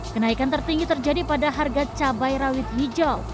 kenaikan tertinggi terjadi pada harga cabai rawit hijau